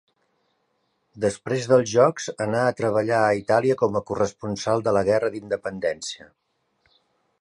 Després dels jocs anà a treballar a Itàlia com a corresponsal de la Guerra d'independència.